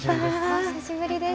お久しぶりです。